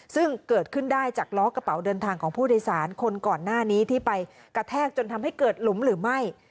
ซึ่งเกิดขึ้นได้จากล้อกระเป๋าเดินทางของผู้โดยสารคนก่อนหน้านี้ที่ไปกระแทกจนทำให้เกิดหลุมหรือไม่